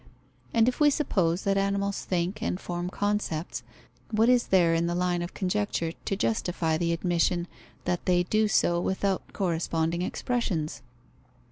And if we suppose that animals think, and form concepts, what is there in the line of conjecture to justify the admission that they do so without corresponding expressions?